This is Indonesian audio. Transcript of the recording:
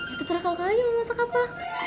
itu cerah kakak aja mau masak apa